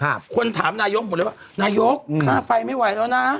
เออเพราะว่ายังต่ำคนละสี่สิบเปอร์เซ็นต์